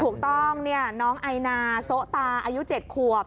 ถูกต้องน้องไอนาโซะตาอายุ๗ขวบ